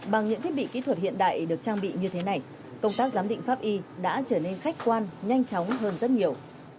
bằng những thiết bị kỹ thuật hiện đại được trang bị như thế này công tác giám định pháp y đã trở nên khách quan nhanh chóng hơn rất nhiều